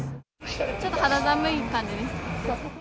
ちょっと肌寒い感じです。